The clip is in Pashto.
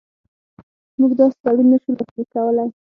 موږ داسې تړون نه شو لاسلیک کولای.